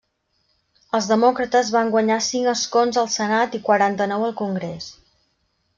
Els demòcrates van guanyar cinc escons al Senat i quaranta-nou al Congrés.